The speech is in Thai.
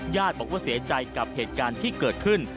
ญาติบอกว่าเสียใจกับเหตุการณ์ที่เกิดขึ้น